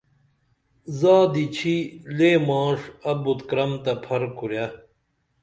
زادی چھی لے ماݜ ابُت کرم تہ پھر کُرے